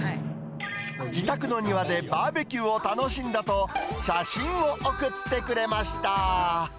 自宅の庭でバーベキューを楽しんだと、写真を送ってくれました。